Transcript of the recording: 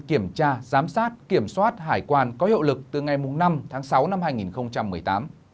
kiểm tra giám sát kiểm soát hải quan có hiệu lực từ ngày năm tháng sáu năm hai nghìn một mươi tám